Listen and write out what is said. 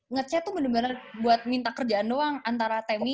ngecek tuh bener bener buat minta kerjaan doang antara temy